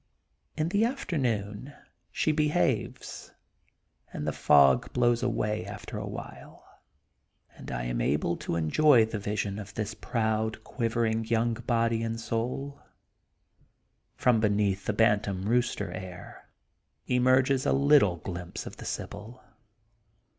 In the afternoon she behaves, and the fog blows away after a while and I am able to enjoy the vision of this proud quivering young THE GOLDEN BOOK OF SPRINGFIELD 71 body and sonl. From beneath the bantam rooster air emerges a little glimpse of the sibyl.